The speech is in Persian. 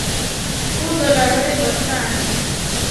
او دلارهای اضافی را اندوخت.